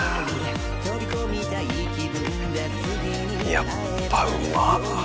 やっぱうまっ！